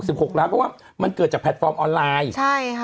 เพราะว่ามันเกิดจากแพลตฟอร์มออนไลน์